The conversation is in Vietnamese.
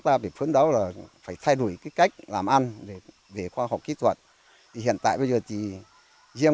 ta phải phấn đấu là phải thay đổi cái cách làm ăn về khoa học kỹ thuật hiện tại bây giờ thì riêng